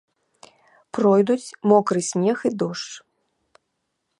Пройдуць мокры снег і дождж.